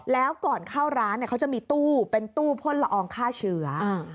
แล้วก่อนเข้าร้านเขาจะมีตู้เป็นตู้พ่นละอองฆ่าเชื้อ